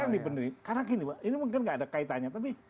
tapi ini mungkin nggak ada kaitannya tapi ini mungkin nggak ada kaitannya